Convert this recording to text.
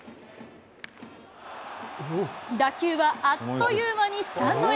打球はあっという間にスタンドへ。